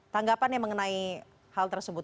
tanggapannya mengenai hal tersebut